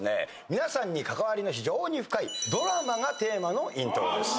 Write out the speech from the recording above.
皆さんに関わりの非常に深いドラマがテーマのイントロです。